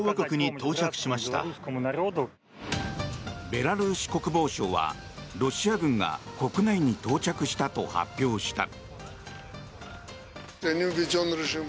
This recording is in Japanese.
ベラルーシ国防省はロシア軍が国内に到着したと発表した。